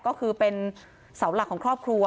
ก็คือเป็นเสาหลักของครอบครัว